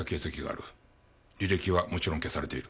履歴はもちろん消されている。